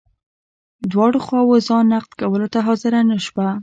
دواړو خواوو ځان نقد کولو ته حاضره نه شوه.